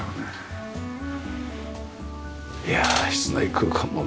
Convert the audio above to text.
いや室内空間もね